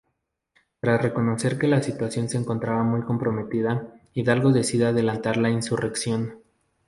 Tras reconocer que la situación se encontraba muy comprometida, Hidalgo decide adelantar la insurrección.